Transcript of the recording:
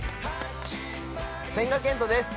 千賀健永です